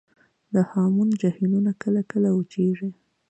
د هامون جهیلونه کله کله وچیږي